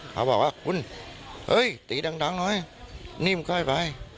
เขาบอกว่าคุณเอ้ยตีดังหน่อยนี่มึงก็ได้ไป